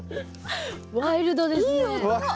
ワイルドですね。